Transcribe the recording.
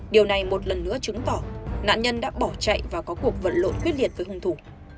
điều này một lần nữa chứng tỏ nạn nhân đã bỏ chạy và có cuộc vận lộn quyết liệt với hung thủ